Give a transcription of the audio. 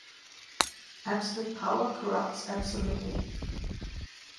Absolute power corrupts absolutely.